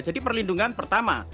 jadi perlindungan pertama